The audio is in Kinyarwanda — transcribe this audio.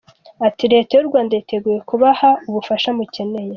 Ati: “Leta y’u Rwanda yiteguye kubaha ubufasha mukeneye.